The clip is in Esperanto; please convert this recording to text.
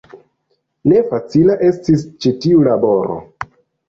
Ne facila estis ĉi tiu laboro.